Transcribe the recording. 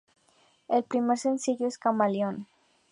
El primer sencillo es Camaleón.